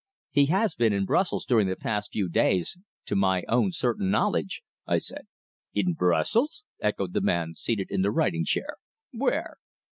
"He has been in Brussels during the past few days to my own certain knowledge," I said. "In Brussels," echoed the man seated in the writing chair. "Where?"